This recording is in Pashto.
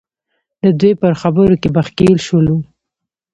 د دوی پر خبرو کې به ښکېل شولو.